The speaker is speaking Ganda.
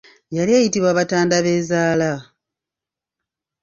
Yali eyitibwa Batandabeezaala.